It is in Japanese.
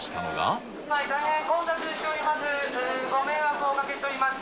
店内、大変混雑しております。